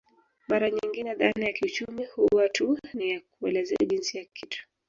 Mara nyingine dhana ya kiuchumi huwa tu ni ya kueleza jinsi ya kitu